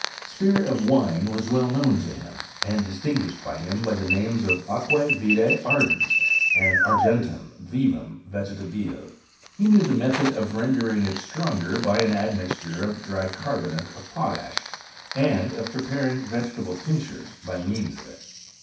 Spirit of wine was well known to him, and distin %'liished by him by the names of aqua vitee ardens.and ^tgentum vivum yegetabile. He knew the method of tendering it stronger by an admixture of dry carbonate of potash, and of preparing vegetable tinctures by tneans of it.